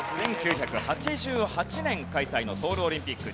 １９８８年開催のソウルオリンピック。